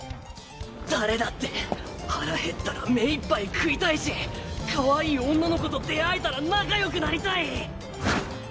誰だって腹減ったら目いっぱい食いたいしかわいい女の子と出会えたら仲よくなりたい。